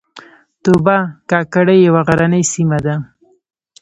توبه کاکړۍ یوه غرنۍ سیمه ده